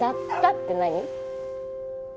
って何？